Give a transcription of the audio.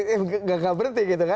tidak berhenti gitu kan